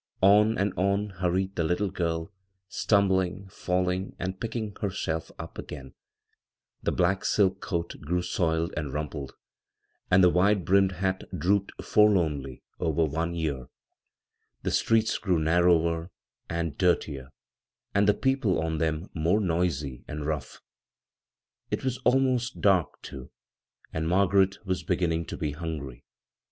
On and on hurried the little girl, stum bling, falling, and picking herself up again. The black silk coat grew soiled and rumpled, and the wkle brlmmed hat drooped forlornly over one ear. The streets grew narrower and b, Google "huuo, kioi what's upI" bvGoog[c b, Google CROSS CURRENTS dirtier, and the people on them more noi^ and rough. It was almost dark, too, and Margaret was beginning to be hungry.